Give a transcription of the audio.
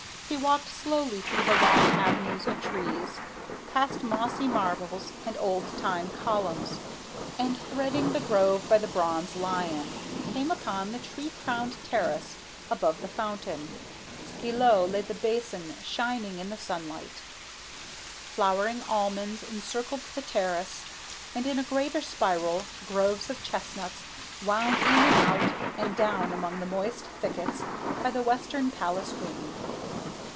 He walked slowly through the long avenues of trees, past mossy marbles and old time columns, and threading the grove by the bronze lion, came upon the tree crowned terrace above the fountain. Below lay the basin shining in the sunlight. Flowering almonds encircled the terrace, and, in a greater spiral, groves of chestnuts wound in and out and down among the moist thickets by the western palace wing.